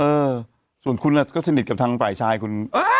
เออส่วนคุณก็สนิทกับทางฝ่ายชายคุณ